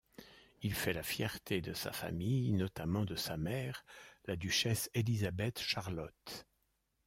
Il fait la fierté de sa famille, notamment de sa mère la duchesse Élisabeth-Charlotte.